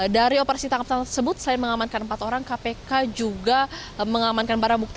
dari operasi tangkap tangan tersebut selain mengamankan empat orang kpk juga mengamankan barang bukti